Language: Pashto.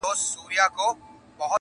جګه لوړه ګل اندامه تکه سپینه-